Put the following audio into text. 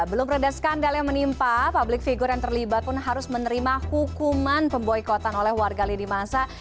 belum reda skandal yang menimpa publik figur yang terlibat pun harus menerima hukuman pemboikotan oleh warga lidi masa